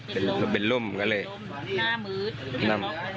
เป็นรุ่มกันเลย